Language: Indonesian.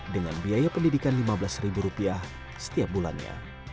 dengan biaya pendidikan lima belas ribu rupiah setiap bulannya